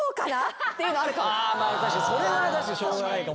それは確かにしょうがないかも。